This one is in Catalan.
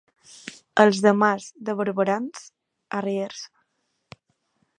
Els de Mas de Barberans, arriers.